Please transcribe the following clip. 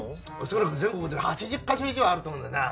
恐らく全国で８０カ所以上あると思うんだよな。